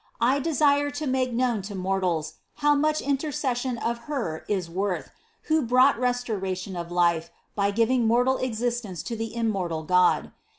I desire to make known to mor tals how much intercession of Her is worth, who brought restoration of life by giving mortal existence to the im mortal God.